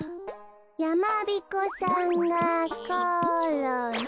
やまびこさんがころんだ！